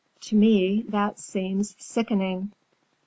To me, that seems—sickening!"